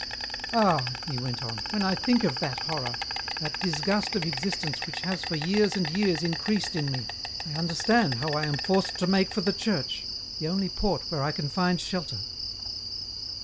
"Ah !" he went on, "when I think of that horror, that disgust of existence which has for years and years increased in me, I understand how I am forced to make for the Church, the only port where I can find shelter.